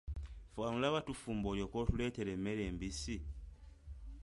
Ffe wano olaba tufumba olyoke otuleetere emmere embisi?